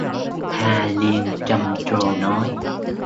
Hà liền trầm trồ nói